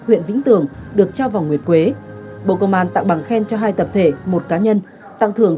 huyện vĩnh tường được trao vòng nguyệt quế bộ công an tặng bằng khen cho hai tập thể một cá nhân tặng thưởng